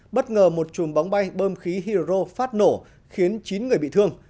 bất ngờ một chùm bóng bay bơm khí hydro phát nổ khiến chín người bị thương